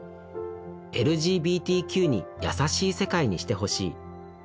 「ＬＧＢＴＱに優しい世界にしてほしい。